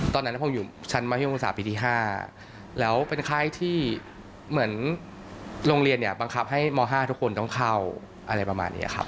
ตอนนั้นผมอยู่ชั้นมัธยมศึกษาปีที่๕แล้วเป็นค่ายที่เหมือนโรงเรียนเนี่ยบังคับให้ม๕ทุกคนต้องเข้าอะไรประมาณนี้ครับ